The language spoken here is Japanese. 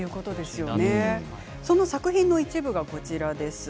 その作品の一部がこちらです。